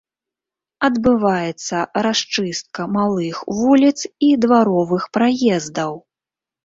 Адбываецца расчыстка малых вуліц і дваровых праездаў.